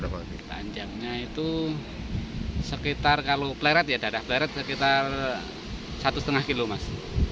panjangnya itu sekitar kalau pleret ya darah pleret sekitar satu lima kilo mas